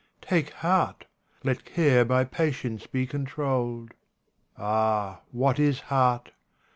Take heart ! let care by patience be controlled." Ah, what is heart